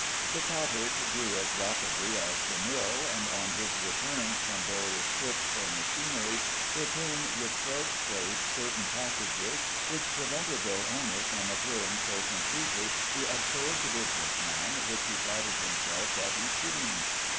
The cottage grew as rapidly as the mill, and on his returns from various trips for machinery there came with Fred's freight certain packages which prevented their owner from appearing so completely the absorbed businessman which he flattered himself that he seemed.